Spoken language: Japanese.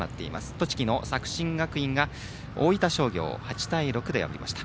栃木の作新学院が大分商業を８対６で破りました。